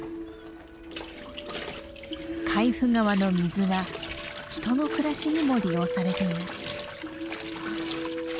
海部川の水は人の暮らしにも利用されています。